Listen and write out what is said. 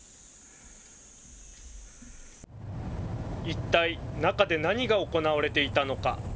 一体、中で何が行われていたのか。